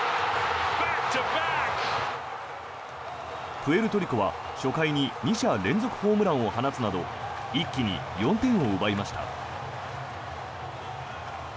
プエルトリコは初回に２者連続ホームランを放つなど一気に４点を奪いました。